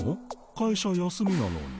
会社休みなのに。